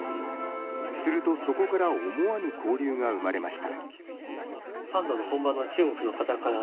するとそこから思わぬ交流が生まれました。